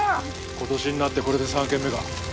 今年になってこれで３軒目か。